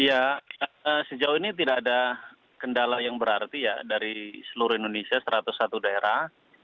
ya sejauh ini tidak ada kendala yang berarti ya dari seluruh indonesia satu ratus satu daerah